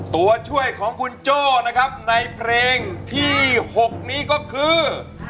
ตัวช่วยของคุณโจ้นะครับในเพลงที่๖นี้ก็คือ